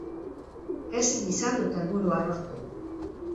Ezin izan dut helburua lortu.